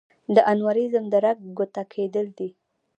د انوریزم د رګ ګوټه کېدل دي.